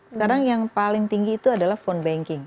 sekarang yang paling tinggi itu adalah phone banking